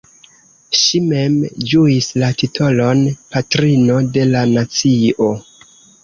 Ŝi mem ĝuis la titolon "Patrino de la Nacio".